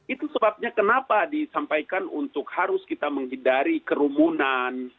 itu sebabnya kenapa disampaikan untuk harus kita menghindari kerumunan